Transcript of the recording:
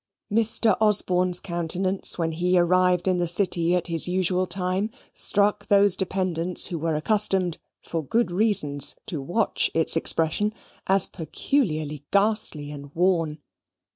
Mr. Osborne's countenance, when he arrived in the City at his usual time, struck those dependants who were accustomed, for good reasons, to watch its expression, as peculiarly ghastly and worn.